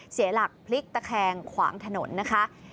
เสียหลักพลิกตะแคงขวางถนนนะคะ